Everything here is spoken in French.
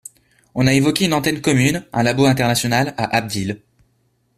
on a évoqué une antenne commune, un labo international, à Abbeville